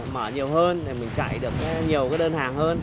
mở nhiều hơn để mình chạy được nhiều cái đơn hàng hơn